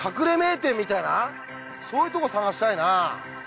そういうとこ探したいな。